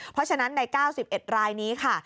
เพราะฉะนั้นใน๙๑รายนี้ค่ะ